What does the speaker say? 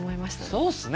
そうですね。